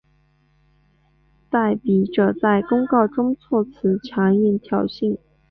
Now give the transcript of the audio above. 代笔者在公告中措辞强硬挑衅。